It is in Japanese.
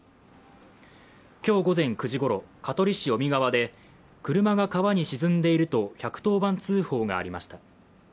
今日午前９時ごろ、香取市小見川で、車が川に沈んでいると１１０番通報がありました。